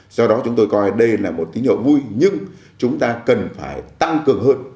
do đó chúng tôi coi đây là một tín hiệu vui nhưng chúng ta cần phải tăng cường hơn